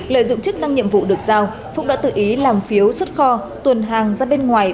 lợi dụng chức năng nhiệm vụ được giao phúc đã tự ý làm phiếu xuất kho tuần hàng ra bên ngoài